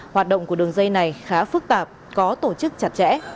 hoạt động của đường dây này khá phức tạp có tổ chức chặt chẽ